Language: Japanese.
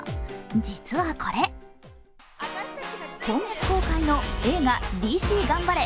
実はこれ、今月公開の映画「ＤＣがんばれ！